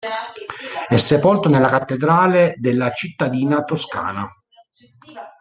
È sepolto nella cattedrale della cittadina toscana.